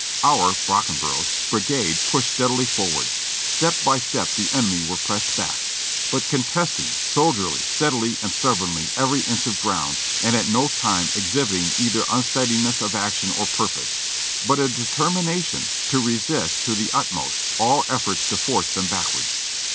"Our (Brockenbrough's) brigade pushed steadily forward; step by step the enemy were pressed back, but contesting soldierly, stead ily and stubbornly every inch of ground, and at no time exhibiting either unsteadiness of action or purpose, but a determination to resist to the utmost all efforts to force them backwards.